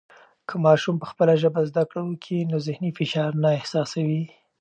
که ماشوم په خپله ژبه زده کړه و کي نو ذهني فشار نه احساسوي.